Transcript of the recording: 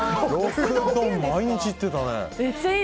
毎日行ってたね。